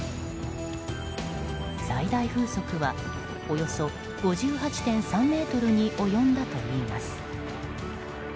最大風速はおよそ５８．３メートルに及んだといいます。